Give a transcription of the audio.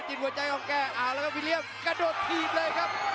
จิตหัวใจของแกอ้าวแล้วครับวิลิอมกระโดดพีบเลยครับ